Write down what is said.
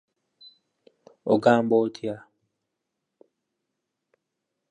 Joshua Hughes, on the foundations of a much earlier church.